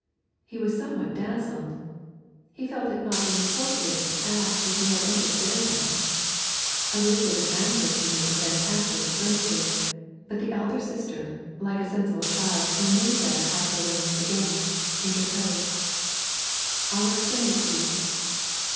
He was somewhat dazzled. He felt it not inappropriate to ask if he had entered fairyland. Eliz would have answered him with fantastic affirmative, but the elder sister, like a sensible child who knew better how to arrange the game, interposed. 'I'll explain it to you.